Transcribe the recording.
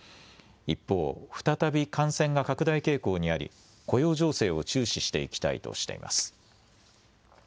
一方、再び感染が拡大傾向にあり、雇用情勢を注視していきたいとしています。